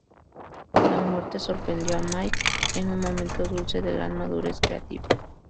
La muerte sorprendió a Mike en un momento dulce, de gran madurez creativa.